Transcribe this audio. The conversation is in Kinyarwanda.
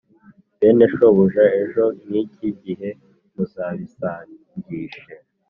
bene shobuja ejo nk iki gihe muzabinsangishe